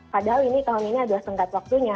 padahal ini tahun ini adalah tengkat waktunya